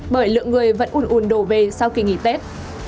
bởi lượng người vẫn ùn ùn đổ về sau khi nghỉ tết